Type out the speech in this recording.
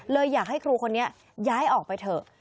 อยากให้ครูคนนี้ย้ายออกไปเถอะ